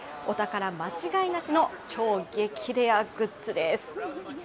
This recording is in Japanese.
お宝間違いなしの超激レアグッズです。